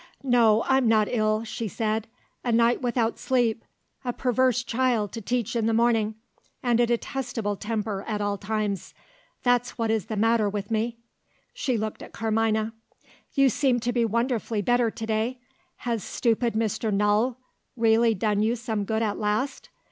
"No; I'm not ill," she said. "A night without sleep; a perverse child to teach in the morning; and a detestable temper at all times that's what is the matter with me." She looked at Carmina. "You seem to be wonderfully better to day. Has stupid Mr. Null really done you some good at last?"